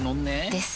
です。